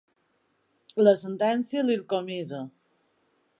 La sentència li’l comissa.